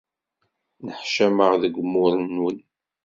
Neḥcameɣ deg umur-nwen.